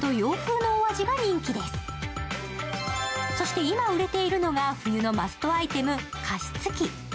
そして今、売れているのがマストアイテム、加湿器。